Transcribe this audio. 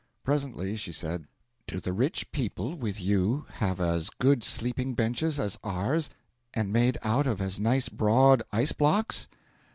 Presently she said: 'Do the rich people, with you, have as good sleeping benches as ours, and made out of as nice broad ice blocks?'